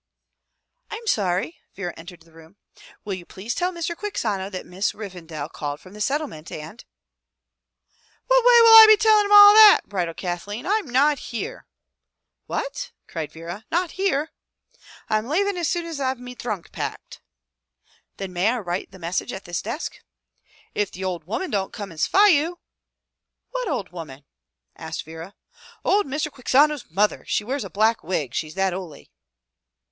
"I'm sorry," Vera entered the room. "Will you please tell Mr. Quixano that Miss Revendal called from the Settle ment and —" "What way will I be tellin' him all that?" bridled Kathleen. "I'm not here!" " What !" cried Vera. " Not here !" "I'm lavin' as soon as I've me thrunk packed." "Then may I write the message at this desk?" " If the ould woman don't come in and sphy you!" "What old woman?" asked Vera. "Ould Mr. Quixano's mother. She wears a black wig, she's that houly."